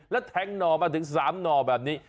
แล้วแทงหน่อมาถึง๓หน่อแบบนี้